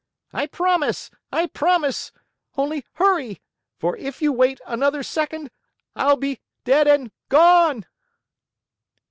"I promise! I promise! Only hurry, for if you wait another second, I'll be dead and gone!"